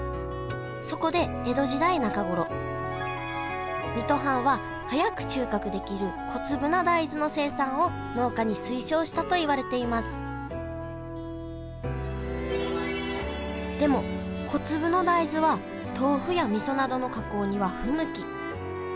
そこで江戸時代中頃水戸藩は早く収穫できる小粒な大豆の生産を農家に推奨したといわれていますでも小粒の大豆は豆腐やみそなどの加工には不向き。